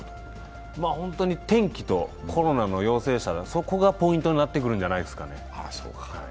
本当に天気とコロナの陽性者、そこがポイントになってくるんじゃないですかね。